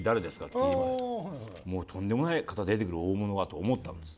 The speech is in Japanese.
もうとんでもない方出てくる大物がと思ったんです。